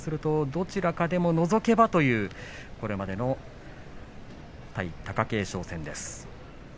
どちらかでものぞけばというこれまでの対貴景勝戦です。